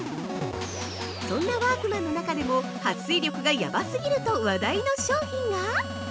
そんなワークマンの中でもはっ水力がヤバすぎると話題の商品が◆